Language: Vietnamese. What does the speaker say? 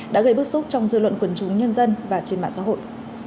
đã gây bức xúc trong dư luận quần chúng nhân dân và trên mạng xã hội